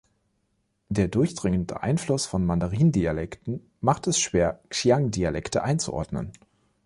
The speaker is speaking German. Der durchdringende Einfluss von Mandarin-Dialekten macht es schwer, Xiang-Dialekte einzuordnen.